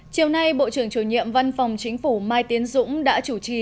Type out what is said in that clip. chiều nay bộ trưởng chủ nhiệm văn phòng chính phủ mai tiến dũng đã chủ trì